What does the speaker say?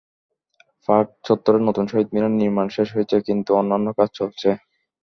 Park চত্বরে নতুন শহীদ মিনার নির্মাণ শেষ হয়েছে, কিন্তু অন্যান্য কাজ চলছে।